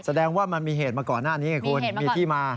แสดงว่ามันมีเหตุมาก่อนหน้านี้ไงคุณมีที่มา